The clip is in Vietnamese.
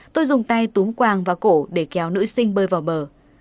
tôi dùng tay túm quàng vào cổ để kéo nữ sinh bơi vào bờ